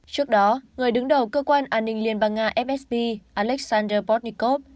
trước đó người đứng đầu cơ quan an ninh liên bang nga msp alexander botnikov